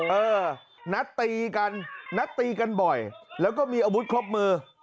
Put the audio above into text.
เออนัดตีกันนัดตีกันบ่อยแล้วก็มีอาวุธครบมือ